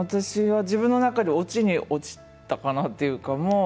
自分の中で落ちに落ちたかなと。